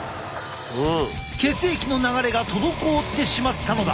血液の流れが滞ってしまったのだ。